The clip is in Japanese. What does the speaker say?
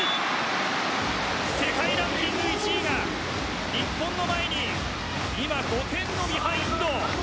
世界ランキング１位が日本の前に今５点のビハインド。